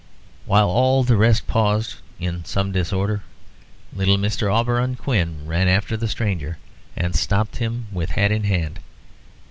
While all the rest paused, in some disorder, little Mr. Auberon Quin ran after the stranger and stopped him, with hat in hand.